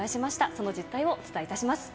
その実態をお伝えいたします。